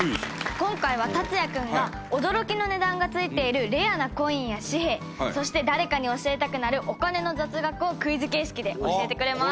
今回は達哉君が驚きの値段が付いているレアなコインや紙幣そして、誰かに教えたくなるお金の雑学をクイズ形式で教えてくれます。